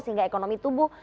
sehingga ekonomi tumbuh